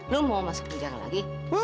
lu mau masuk penjara lagi